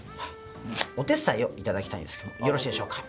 お手伝いをいただきたいんですけどよろしいでしょうか？